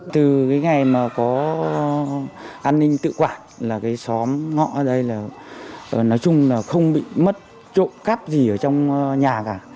từ ngày có an ninh tự quản xóm ngõ ở đây nói chung không bị mất trộm cắp gì ở trong nhà cả